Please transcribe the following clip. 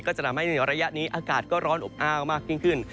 จะทำให้ในระยะนี้อากาศก็ร้อนอบอ้าวมากยิ่งขึ้น